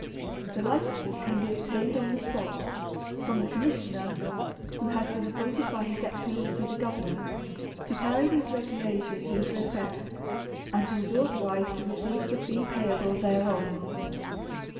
The Licenses can be obtained on the spot, from the Commissioner who has been appointed by His Excellency the Governor, to carry these regulations into effect, and who is authorized to receive the fee payable thereon.